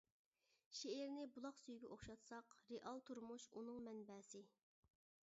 شېئىرنى بۇلاق سۈيىگە ئوخشاتساق، رېئال تۇرمۇش ئۇنىڭ مەنبەسى.